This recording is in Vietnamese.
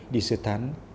đi sơ thán